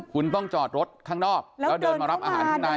คุณต้องจอดรถข้างนอกแล้วเดินมารับอาหารข้างใน